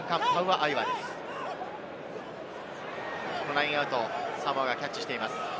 ラインアウト、サモアがキャッチしています。